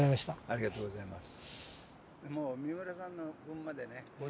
ありがとうございます。